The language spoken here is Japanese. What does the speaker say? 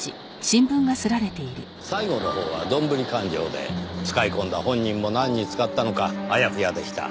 最後のほうはどんぶり勘定で使い込んだ本人も何に使ったのかあやふやでした。